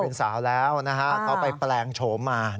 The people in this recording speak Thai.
เป็นสาวแล้วนะฮะเขาไปแปลงโฉมมา